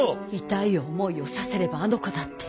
痛い思いをさせればあの子だって。